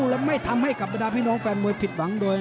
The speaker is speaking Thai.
แล้วไม่ทำให้กับพี่น้องแฟนมวยผิดหวังด้วย